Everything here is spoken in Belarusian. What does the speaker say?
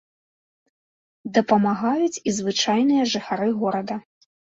Дапамагаюць і звычайныя жыхары горада.